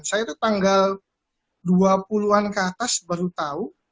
saya itu tanggal dua puluh an ke atas baru tahu